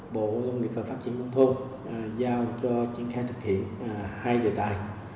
bộ nông nghiệp phát triển công thôn giao cho chiến khai thực hiện hai đề tài